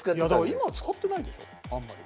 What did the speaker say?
今は使ってないでしょあんまり。